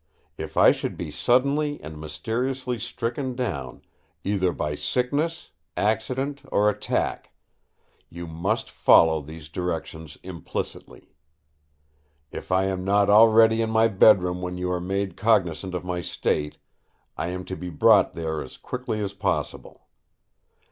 If I should be suddenly and mysteriously stricken down—either by sickness, accident or attack—you must follow these directions implicitly. If I am not already in my bedroom when you are made cognisant of my state, I am to be brought there as quickly as possible.